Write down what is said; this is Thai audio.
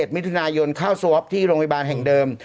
มิถุนายนเข้าสวอปที่โรงพยาบาลแห่งเดิม